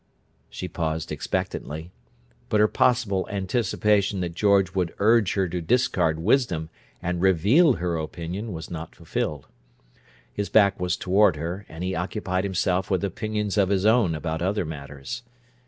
She paused expectantly, but her possible anticipation that George would urge her to discard wisdom and reveal her opinion was not fulfilled. His back was toward her, and he occupied himself with opinions of his own about other matters.